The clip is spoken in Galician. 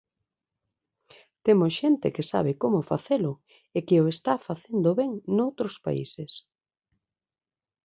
Temos xente que sabe como facelo e que o está facendo ben noutros países.